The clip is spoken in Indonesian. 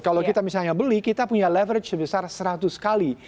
kalau kita misalnya beli kita punya leverage sebesar seratus kali